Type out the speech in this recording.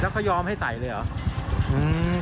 แล้วก็ยอมให้ใส่เลยเหรอ